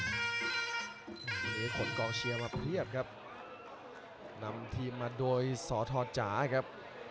วันนี้ขนกองเชียร์มาเพียบครับนำทีมมาโดยสทจ๋าครับ